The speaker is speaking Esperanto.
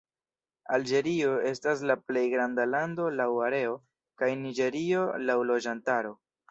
Alĝerio estas la plej granda lando laŭ areo, kaj Niĝerio laŭ loĝantaro.